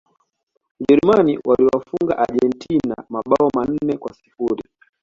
Ujerumani waliwafunga Argentina mabao manne kwa sifuri